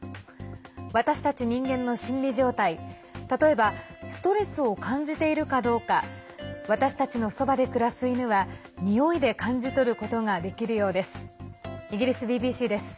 私たち人間の心理状態例えばストレスを感じているかどうか私たちのそばで暮らす犬はにおいで感じ取ることができるようです。